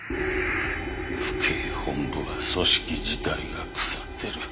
府警本部は組織自体が腐ってる。